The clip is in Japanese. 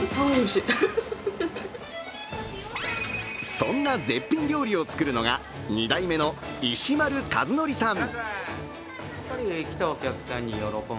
そんな絶品料理を作るのが２代目の石丸一徳さん。